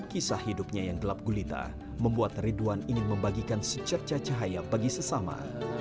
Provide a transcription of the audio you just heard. kisah hidupnya yang gelap gulita membuat ridwan ingin membagikan secerca cahaya bagi sesama